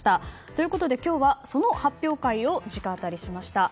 ということで今日はその発表会を直アタリしました。